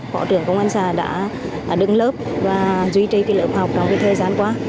bộ trưởng công an xà đã đứng lớp và duy trì cái lớp học trong cái thời gian qua